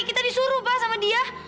kita disuruh pak sama dia